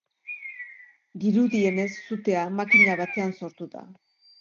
Dirudienez, sutea makina batean sortu da.